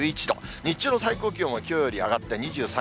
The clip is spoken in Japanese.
日中の最高気温はきょうより上がって２３、４度。